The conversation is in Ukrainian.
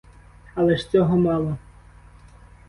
Але ж цього мало.